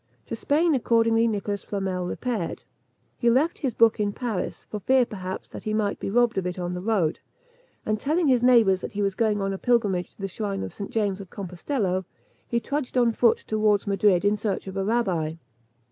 To Spain accordingly Nicholas Flamel repaired. He left his book in Paris, for fear, perhaps, that he might be robbed of it on the road; and telling his neighbours that he was going on a pilgrimage to the shrine of St. James of Compostello, he trudged on foot towards Madrid in search of a rabbi.